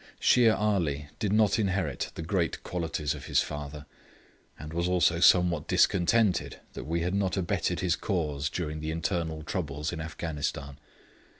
Shere Ali did not inherit the great qualities of his father, and was also somewhat discontented that we had not abetted his cause during the internal troubles in Afghanistan.